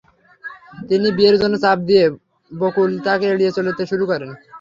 তিনি বিয়ের জন্য চাপ দিলে বকুল তাঁকে এড়িয়ে চলতে শুরু করেন।